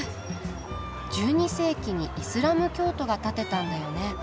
１２世紀にイスラム教徒が建てたんだよね。